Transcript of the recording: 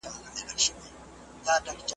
هغه مین دی پر لمبو شمع په خوب کي ویني ,